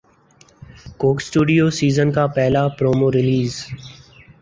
کوک Studio season کا پہلا promo release